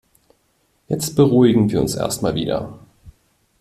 Jetzt beruhigen wir uns erst mal wieder.